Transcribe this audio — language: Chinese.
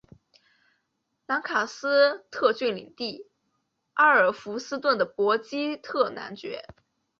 兰卡斯特郡领地阿尔弗斯顿的伯基特男爵。